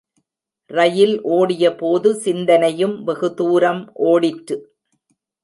ரயில் ஒடிய போது சிந்தனையும் வெகுதுரம் ஓடிற்று.